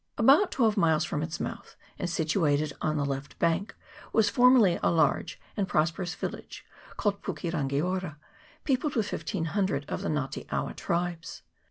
About twelve miles from its mouth, and situated on the left bank, was formerly a large and prosperous village, called Puke rangi ora, peopled with 1500 of the Nga te awa tribes.